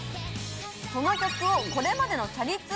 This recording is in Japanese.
その曲をこれまでのチャリ通